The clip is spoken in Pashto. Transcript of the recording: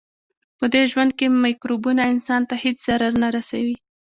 پدې ژوند کې مکروبونه انسان ته هیڅ ضرر نه رسوي.